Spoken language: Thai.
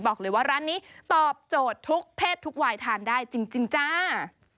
บอกเลยว่าร้านนี้ตอบโจทย์ทุกเพศทุกวัยทานได้จริงจ้า